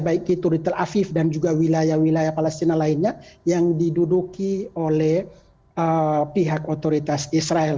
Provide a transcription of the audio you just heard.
baik itu ritel aviv dan juga wilayah wilayah palestina lainnya yang diduduki oleh pihak otoritas israel